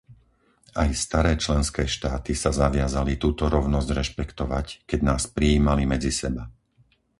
Aj staré členské štáty sa zaviazali túto rovnosť rešpektovať, keď nás prijímali medzi seba.